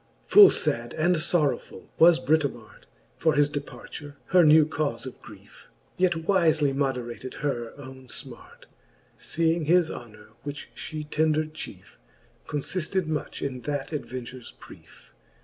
Full fad and fbrrovvfull was Britomart For his departure, her new caule of griefe j Yet wifely moderated her owne fhiart, Seeing his honor, which fhe tendred chiefe, Confifted much in that adventures priefe.